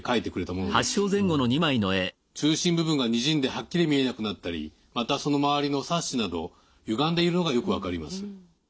中心部分がにじんではっきり見えなくなったりまたその周りのサッシなどゆがんでいるのがよく分かります。